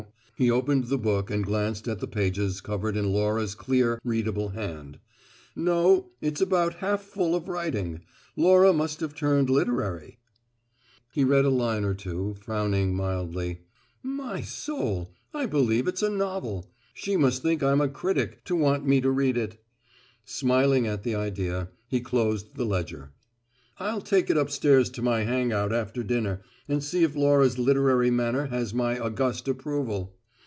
He opened the book and glanced at the pages covered in Laura's clear, readable hand. "No, it's about half full of writing. Laura must have turned literary." He read a line or two, frowning mildly. "My soul! I believe it's a novel! She must think I'm a critic to want me to read it." Smiling at the idea, he closed the ledger. "I'll take it upstairs to my hang out after dinner, and see if Laura's literary manner has my august approval.